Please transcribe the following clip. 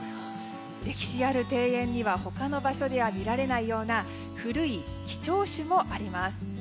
歴史ある庭園には他の場所では見られないような古い貴重種もあります。